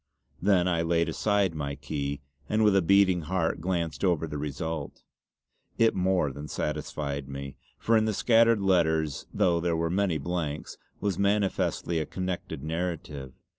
Then I laid aside my key, and with a beating heart glanced over the result. It more than satisfied me, for in the scattered letters though there were many blanks, was manifestly a connected narrative.